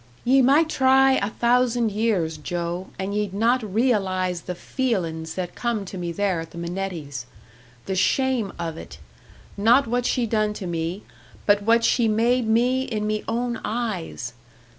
"Ye might try a thousand years, Joe, and ye'd not realise the feelin's that come to me there at the Minettis'. The shame of it not what she done to me, but what she made me in me own eyes!